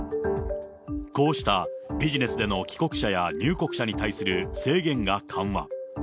こうしたビジネスでの帰国者や入国者に対する制限が緩和。